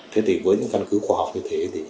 thế thì với những căn cứ khoa học như thế thì